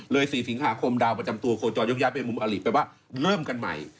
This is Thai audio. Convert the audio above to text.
๔สิงหาคมดาวประจำตัวโคจรยกย้ายไปมุมอลิแปลว่าเริ่มกันใหม่